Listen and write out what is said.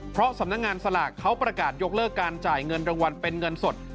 เพราะสำนักงานสลากเขาประกาศยกเลิกการจ่ายเงินรางวัลเป็นเงินสด